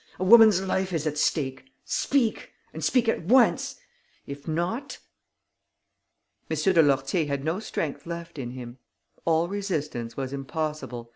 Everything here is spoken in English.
A woman's life is at stake! Speak ... and speak at once! If not ...!" M. de Lourtier had no strength left in him. All resistance was impossible.